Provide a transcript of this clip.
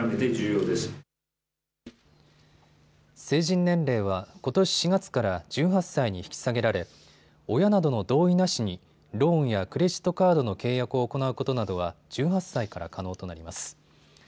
成人年齢はことし４月から１８歳に引き下げられ親などの同意なしにローンやクレジットカードの契約を行うことなどは１８歳から可能となります。